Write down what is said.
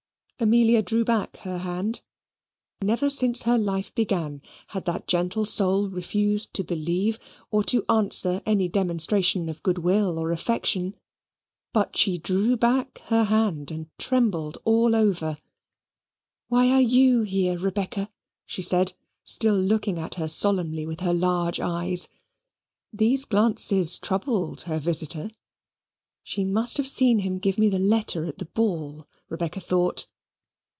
Amelia drew back her hand never since her life began had that gentle soul refused to believe or to answer any demonstration of good will or affection. But she drew back her hand, and trembled all over. "Why are you here, Rebecca?" she said, still looking at her solemnly with her large eyes. These glances troubled her visitor. "She must have seen him give me the letter at the ball," Rebecca thought.